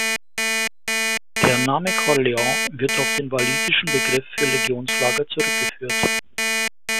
Der Name Caerleon wird auf den walisischen Begriff für „Legionslager“ zurückgeführt.